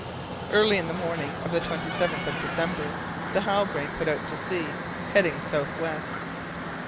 Early in the morning of the 27th of December the Halbrane put out to sea, heading south west.